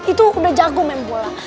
itu udah jago main bola